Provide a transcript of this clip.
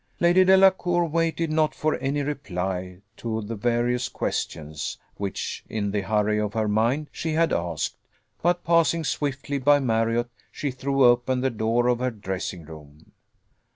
Lady Delacour waited not for any reply to the various questions which, in the hurry of her mind, she had asked; but, passing swiftly by Marriott, she threw open the door of her dressing room.